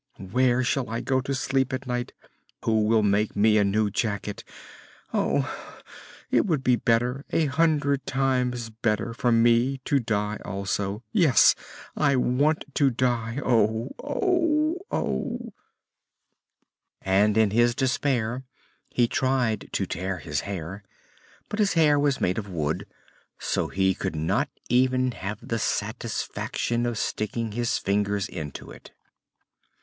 Where shall I go to sleep at night? Who will make me a new jacket? Oh, it would be better, a hundred times better, for me to die also! Yes, I want to die oh! oh! oh!" [Illustration: An Immense Serpent Stretched Across the Road] And in his despair he tried to tear his hair, but his hair was made of wood so he could not even have the satisfaction of sticking his fingers into it.